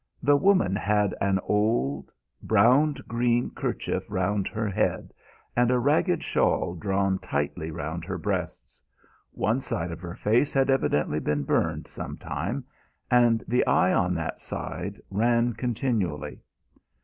The woman had an old browned green kerchief round her head, and a ragged shawl drawn tightly round her breasts. One side of her face had evidently been burned some time, and the eye on that side ran continually.